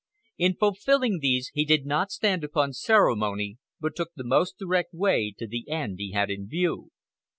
In fulfilling these he did not stand upon ceremony, but took the most direct way to the end he had in view.